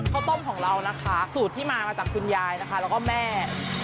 ข้าวต้มของเรานะคะสูตรที่มามาจากคุณยายนะคะแล้วก็แม่